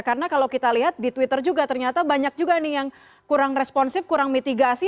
karena kalau kita lihat di twitter juga ternyata banyak juga nih yang kurang responsif kurang mitigasi